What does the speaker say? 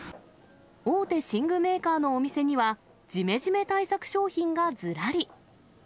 大手寝具メーカーのお店には、じめじめ対策商品がずらり。